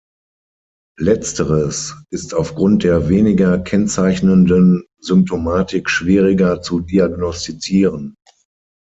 Letzteres ist aufgrund der weniger kennzeichnenden Symptomatik schwieriger zu diagnostizieren.